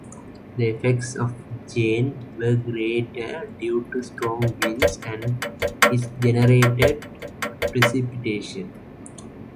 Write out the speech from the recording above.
The effects of Jane were greater due to strong winds and its generated precipitation.